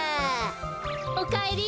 おかえり。